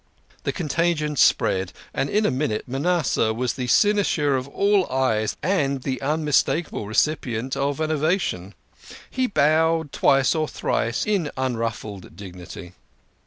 The contagion spread, and in a minute Manasseh was the cynosure of all eyes and the unmistakable recipient of an " ovation." He bowed twice or thrice in un ruffled dignity.